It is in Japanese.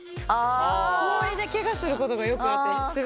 氷でケガすることがよくあって。